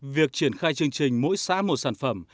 việc triển khai chương trình mỗi xã một sản phẩm